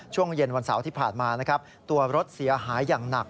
ช่วงเย็นวันเสาร์ที่ผ่านมานะครับตัวรถเสียหายอย่างหนัก